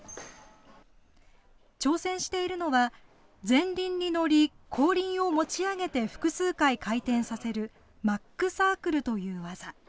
挑戦しているのは、前輪に乗り、後輪を持ち上げて複数回回転させるマックサークルという技。